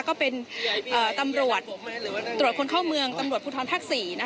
ก็เป็นเอ่อตำรวจตรวจคนเข้าเมืองตำรวจผู้ท้องภาคสี่นะคะ